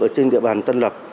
ở trên địa bàn tân lập